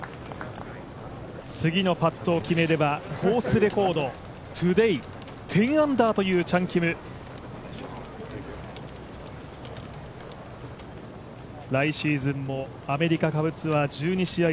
次のパットを決めればコースレコード、トゥデー１０アンダーというチャン・キム。来シーズンもアメリカ下部ツアー１２試合